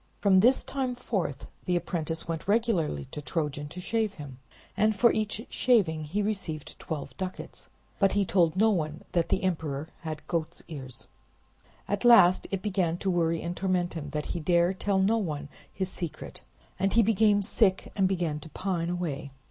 From this time forth the apprentice went regularly to Trojan to shave him, and for each shaving he received twelve ducats; but he told no one that the emperor had goat's ears. At last it began to worry and torment him that he dare tell no one his secret; and he became sick and began to pine away.